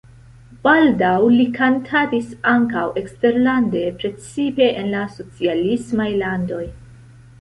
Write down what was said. Baldaŭ li kantadis ankaŭ eksterlande, precipe en la socialismaj landoj.